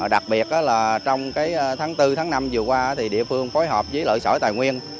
đặc biệt là trong tháng bốn tháng năm vừa qua thì địa phương phối hợp với lợi sở tài nguyên